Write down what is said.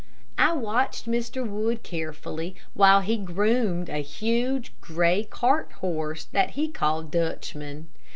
I watched Mr. Wood carefully, while he groomed a huge, gray cart horse, that he called Dutchman.